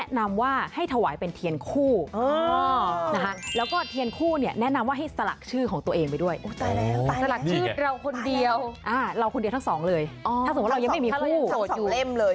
อ่ะนะอันนี้สำคัญเลยหลายคนที่ดูอยู่